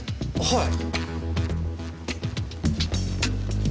はい！